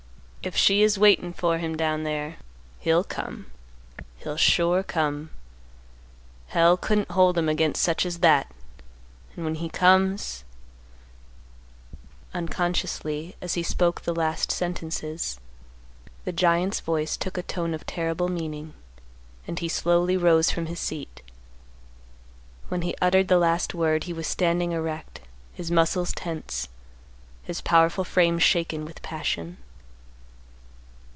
If she is waitin' for him down there, he'll come; he'll sure come. Hell couldn't hold him against such as that, and when he comes—" Unconsciously, as he spoke the last sentences, the giant's voice took a tone of terrible meaning, and he slowly rose from his seat. When he uttered the last word he was standing erect, his muscles tense, his powerful frame shaken with passion.